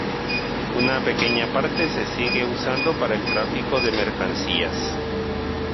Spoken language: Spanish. Una pequeña parte se sigue usando para el tráfico de mercancías.